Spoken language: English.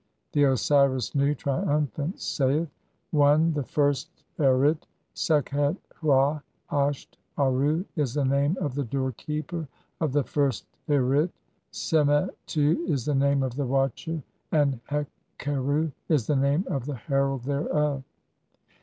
The Osiris Nu, triumphant, saith :—] 2 I. "THE FIRST ARIT. Sekhet hra asht aru is the name of the "doorkeeper of the first Arit, Semetu is the name of the watcher, "and Hu kheru is the name of the herald thereof."